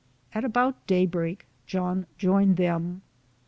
At about daybreak, John joined them.